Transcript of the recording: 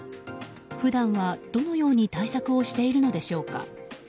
普段はどのように対策をしているのでしょうか。